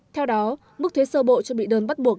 theo đó mức thuế sơ bộ cho bị đơn bắt buộc